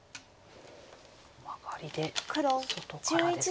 マガリで外からですね。